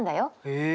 へえ！